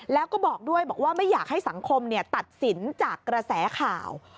แล้วก็บอกด้วยบอกว่าไม่อยากให้สังคมตัดสินจากกระแสข่าว